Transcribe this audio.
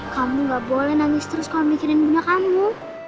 kamu gak boleh nangis terus kalau mikirin muda kamu